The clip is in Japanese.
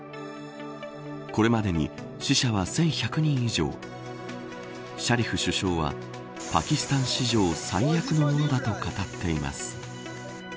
これまでに死者は１１００人以上シャリフ首相はパキスタン史上、最悪のことだと語っています。